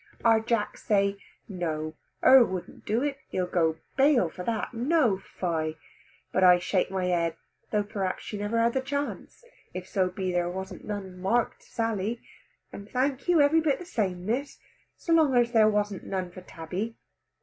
Our Jack say, No her wouldn't do it, he'll go bail for that, no fie! But I shake my head; though perhaps she never had the chance, if so be there wasn't none marked Sally, and thank you every bit the same, Miss, so long as there wasn't none for Tabby."